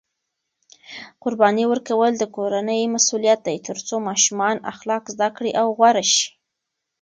قرباني ورکول د کورنۍ مسؤلیت دی ترڅو ماشومان اخلاق زده کړي او غوره شي.